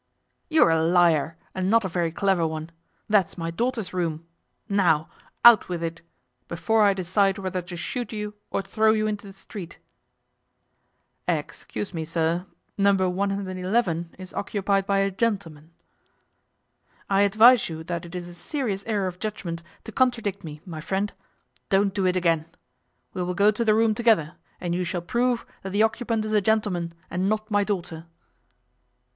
'You are a liar, and not a very clever one. That is my daughter's room. Now out with it, before I decide whether to shoot you or throw you into the street.' 'Excuse me, sir, No. 111 is occupied by a gentleman.' 'I advise you that it is a serious error of judgement to contradict me, my friend. Don't do it again. We will go to the room together, and you shall prove that the occupant is a gentleman, and not my daughter.